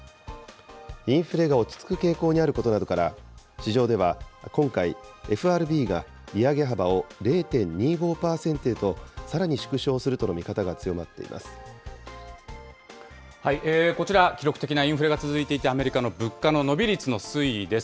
インフレが落ち着く傾向にあることなどから市場では、今回、ＦＲＢが利上げ幅を０．２５％へとさらに縮小するとの見方が強まこちら、記録的なインフレが続いていたアメリカの物価の伸び率の推移です。